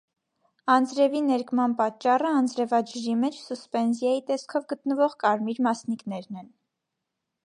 Անձրևի ներկման պատճառը անձրևաջրի մեջ սուսպենզիայի տեսքով գտնվող կարմիր մասնիկներն էին։